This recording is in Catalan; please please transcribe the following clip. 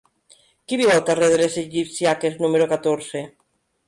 Qui viu al carrer de les Egipcíaques número catorze?